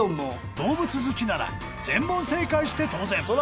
［動物好きなら全問正解して当然］